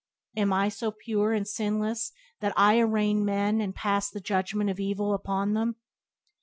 Am I so pure and sinless that I arraign men and pass the judgment of evil upon them?